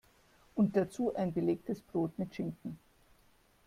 Und dazu ein belegtes Brot mit Schinken.